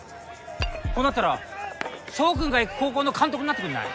こうなったら翔君が行く高校の監督になってくんない？